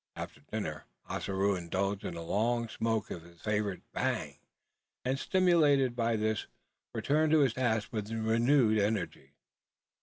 After dinner, Ossaroo indulged in a long smoke of his favourite "bang;" and, stimulated by this, returned to his task with renewed energy.